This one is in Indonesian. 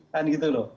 dan gitu loh